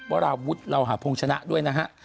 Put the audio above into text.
ว่าเราหาพงษ์ชนะด้วยนะฮะ